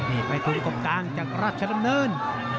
นี่ไปทุนกบกลางจากราชดำเนิน